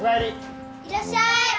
いらっしゃい！